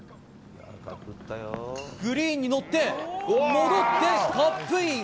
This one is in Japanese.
グリーンに乗って、戻ってカップイン。